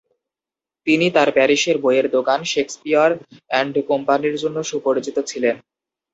তিনি তার প্যারিসের বইয়ের দোকান শেকসপিয়ার অ্যান্ড কোম্পানির জন্য সুপরিচিত ছিলেন।